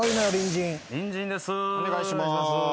お願いします。